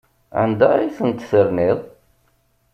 Anda ay tent-terniḍ?